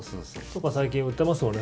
最近売っていますもんね